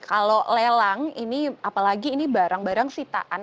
kalau lelang ini apalagi ini barang barang sitaan